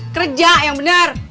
kerja yang bener